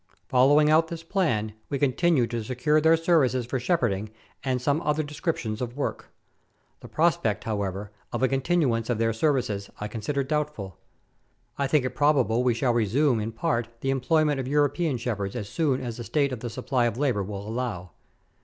Following out this plan, we continue to secure their services for shepherding and some other descrip tions of work. The prospect, however, of a continuance of their services I consider doubtful. I think it probable we shall resume in part the employment of European shepherds as soon as the state of the supply of labour will allow.